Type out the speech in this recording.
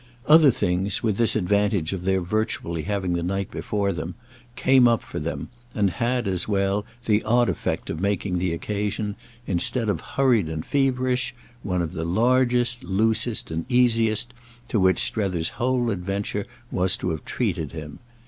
Other things, with this advantage of their virtually having the night before them, came up for them, and had, as well, the odd effect of making the occasion, instead of hurried and feverish, one of the largest, loosest and easiest to which Strether's whole adventure was to have treated him.